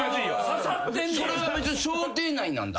それは別に想定内なんだ？